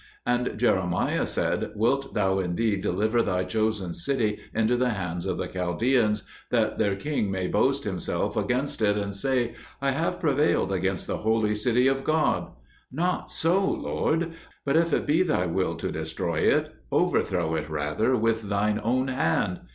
And Jeremiah said, "Wilt Thou indeed deliver Thy chosen city into the hand of the Chaldeans, that their king may boast himself against it and say, 'I have prevailed against the Holy City of God'? Not so, Lord; but if it be Thy will to destroy it, overthrow it rather with Thine own hand."